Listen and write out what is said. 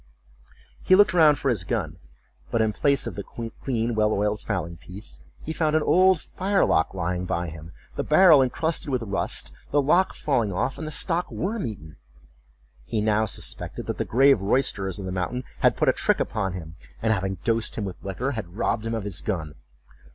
He looked round for his gun, but in place of the clean well oiled fowling piece, he found an old firelock lying by him, the barrel incrusted with rust, the lock falling off, and the stock worm eaten. He now suspected that the grave roysterers of the mountain had put a trick upon him, and having dosed him with liquor, had robbed him of his gun.